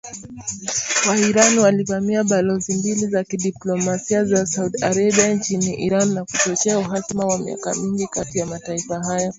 Wa-Iran walivamia balozi mbili za kidiplomasia za Saudi Arabia nchini Iran, na kuchochea uhasama wa miaka mingi kati ya mataifa hayo.